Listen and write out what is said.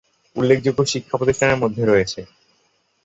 উল্লেখযোগ্য শিক্ষাপ্রতিষ্ঠানের মধ্যে রয়েছে;